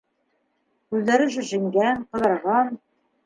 Күҙҙәре шешенгән, ҡыҙарған.